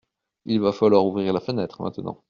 Il va falloir ouvrir la fenêtre maintenant…